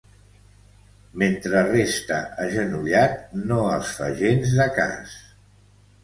Mentre resta agenollat no els fa gens de cas.